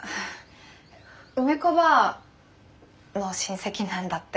梅子ばぁの親戚なんだって。